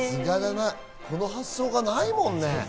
この発想がないもんね。